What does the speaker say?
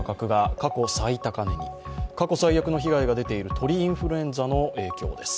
過去最悪の被害が出ている鳥インフルエンザの影響です。